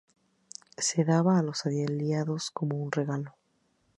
Se daba a los aliados como un regalo.